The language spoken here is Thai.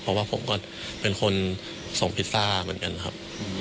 เพราะว่าผมก็เป็นคนส่งพิซซ่าเหมือนกันครับ